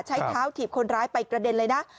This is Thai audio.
ใช้เท้าถีบคนร้ายไปกระเด็นเลยนะ